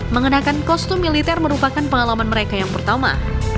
mengenakan kostum militer merupakan pengalaman mereka yang pertama